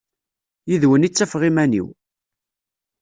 Yid-wen i ttafeɣ iman-iw.